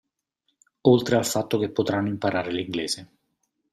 Oltre al fatto che potranno imparare l'inglese.